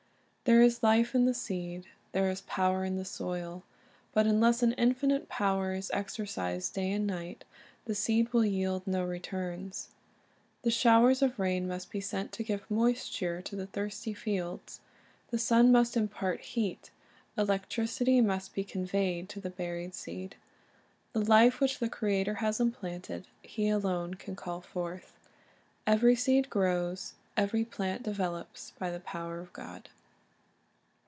There is life in the seed, there is power in the soil; but unless an infinite power is exercised day and night, the seed will yield no returns. The showers of rain must be sent to give moisture to the thirsty fields, the sun must impart heat, electricity must be conveyed to the buried seed. The life which the Creator has implanted, He alone can call forth. Every seed grows, every plant develops, by the power of God.